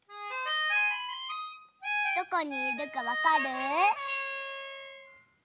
・どこにいるかわかる？